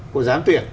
của giám tuyển